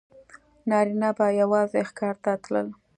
نارینه به یوازې ښکار ته تلل.